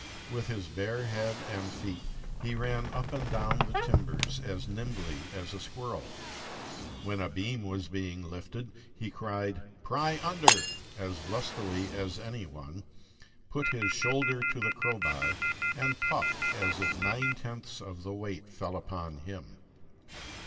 With his bare head and feet he ran up and down the timbers as nimbly as a squirrel. When a beam was being lifted, he cried, "Pry under!" as lustily as any one, put his shoulder to the crowbar, and puffed as if nine tenths of the weight fell upon him.